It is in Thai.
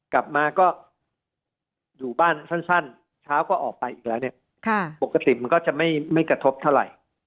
กลับมาก็อยู่บ้านสั้นเช้าก็ออกไปอีกแล้วเนี่ยปกติมันก็จะไม่กระทบเท่าไหร่